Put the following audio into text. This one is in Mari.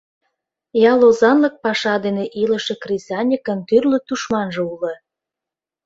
Ял озанлык паша дене илыше кресаньыкын тӱрлӧ тушманже уло.